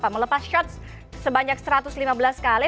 melepas shots sebanyak satu ratus lima belas kali